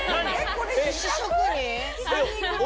これ自宅？寿司職人？